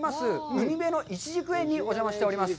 海辺のいちじく園にお邪魔しております。